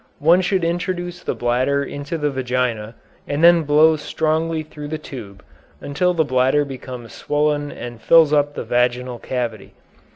One should introduce the bladder into the vagina, and then blow strongly through the tube, until the bladder becomes swollen and fills up the vaginal cavity.